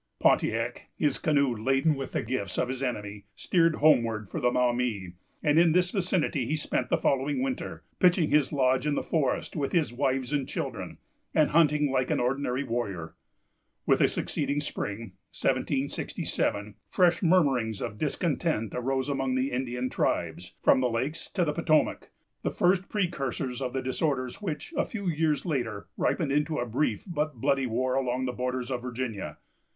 Pontiac, his canoe laden with the gifts of his enemy, steered homeward for the Maumee; and in this vicinity he spent the following winter, pitching his lodge in the forest with his wives and children, and hunting like an ordinary warrior. With the succeeding spring, 1767, fresh murmurings of discontent arose among the Indian tribes, from the lakes to the Potomac, the first precursors of the disorders which, a few years later, ripened into a brief but bloody war along the borders of Virginia.